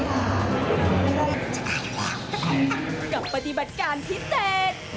ปฏิบัติการพิเศษ